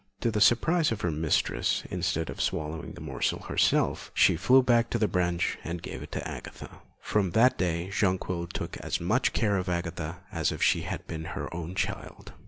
To the surprise of her mistress, instead of swallowing the morsel herself, she flew back to the branch and gave it to Agatha. From that day Jonquil took as much care of Agatha as if she had been her own child.